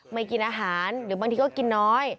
ไม่กินอาหารหรือบางทีก็กินน้อย